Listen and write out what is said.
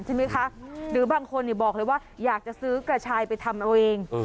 ใช่ไหมคะหรือบางคนบอกเลยว่าอยากจะซื้อกระชายไปทำเอาเอง